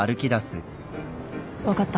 分かった。